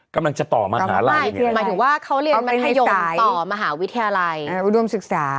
กำลังจะต่อมหาลัยใช่คือหมายถึงว่าเขาเรียนมัธยมต่อมหาวิทยาลัยอุดมศึกษา